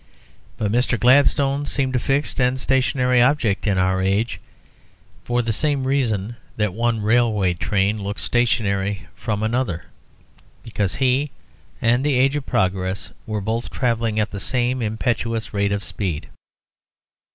But Mr. Gladstone seemed a fixed and stationary object in our age for the same reason that one railway train looks stationary from another; because he and the age of progress were both travelling at the same impetuous rate of speed.